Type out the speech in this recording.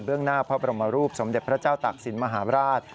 เรื่องหน้าพระบรมรูปสมเด็จพระเจ้าตากศิลปมหาราช